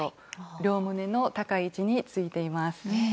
両胸の高い位置についています。